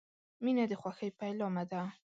• مینه د خوښۍ پیلامه ده.